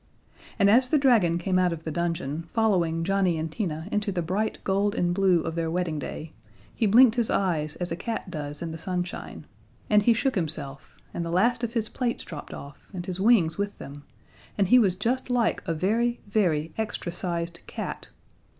And as the dragon came out of the dungeon, following Johnnie and Tina into the bright gold and blue of their wedding day, he blinked his eyes as a cat does in the sunshine, and he shook himself, and the last of his plates dropped off, and his wings with them, and he was just like a very, very extra sized cat.